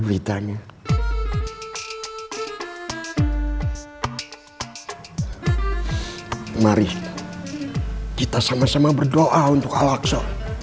beritanya mari kita sama sama berdoa untuk alakso